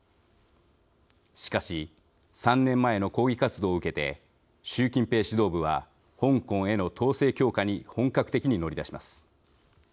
しかし３年前の抗議活動を受けて習近平指導部は香港への統制強化に本格的に乗り出します。